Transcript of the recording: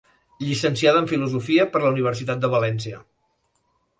Llicenciada en Filosofia per la Universitat de València.